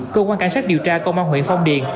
cơ quan cảnh sát điều tra công an huyện phong điền